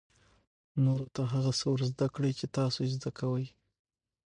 نورو ته هغه څه ور زده کړئ چې تاسو یې زده کوئ.